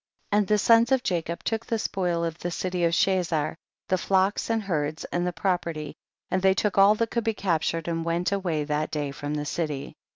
18. And the sons of Jacob took the spoil of the city of Chazar, the flocks and herds, and the property, and they took all that could be cap ti>red and went away that day from the city.